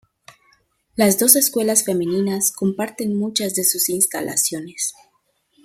Las dos escuelas femeninas comparten muchas de sus instalaciones.